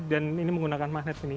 dan ini menggunakan magnet ini